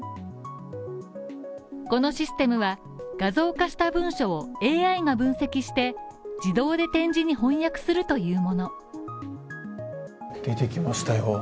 このシステムは、画像化した文章をＡＩが分析して、自動で点字に翻訳するというもの。